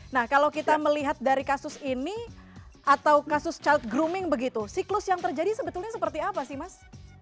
nah kalau kita melihat dari kasus ini atau kasus child grooming begitu siklus yang terjadi sebetulnya seperti apa sih mas